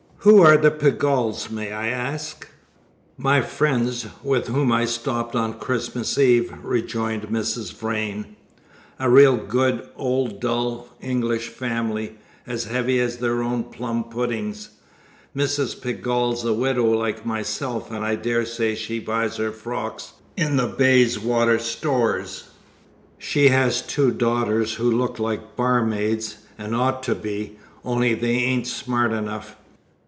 Who are the Pegalls, may I ask?" "My friends, with whom I stopped on Christmas Eve," rejoined Mrs. Vrain. "A real good, old, dull English family, as heavy as their own plum puddings. Mrs. Pegall's a widow like myself, and I daresay she buys her frocks in the Bayswater stores. She has two daughters who look like barmaids, and ought to be, only they ain't smart enough.